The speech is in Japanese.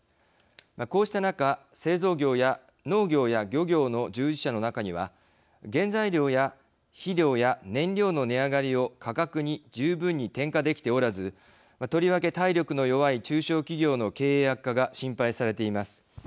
こうした中、製造業や農業や漁業の従事者の中には原材料や肥料や燃料の値上がりを価格に十分に転嫁できておらずとりわけ体力の弱い中小企業の経営悪化が心配されています。